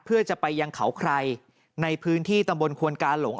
เพื่อจะไปยังเขาใครในพื้นที่ตำบลควนกาหลง